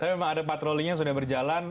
tapi memang ada patrolinya sudah berjalan